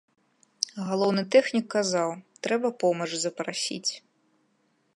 Галоўны тэхнік казаў, трэба помач запрасіць.